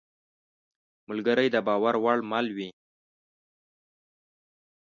ملګری د باور وړ مل وي.